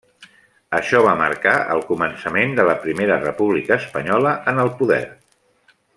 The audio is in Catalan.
Això va marcar el començament de la Primera República Espanyola en el poder.